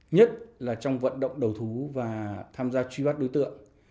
nhất là trong vận động đầu thú và tham gia truy bắt đối tượng